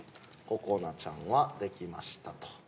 ここなちゃんはできましたと。